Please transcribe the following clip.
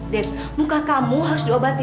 dev muka kamu harus diobati